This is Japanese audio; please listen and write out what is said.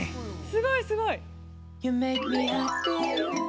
◆すごいすごい！